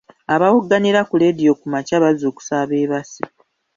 Abawogganira mu leediyo ku makya bazuukusa abeebase.